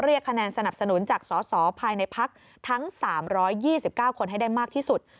คะแนนสนับสนุนจากสสภายในพักทั้ง๓๒๙คนให้ได้มากที่สุด